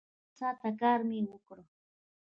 شل ساعته کار مې وکړ.